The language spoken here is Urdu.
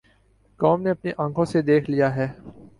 قوم نے اپنی آنکھوں سے دیکھ لیا ہے۔